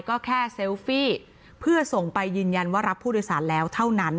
ก็แค่เซลฟี่เพื่อส่งไปยืนยันว่ารับผู้โดยสารแล้วเท่านั้น